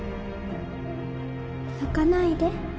泣かないで